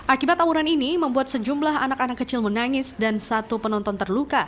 akibat tawuran ini membuat sejumlah anak anak kecil menangis dan satu penonton terluka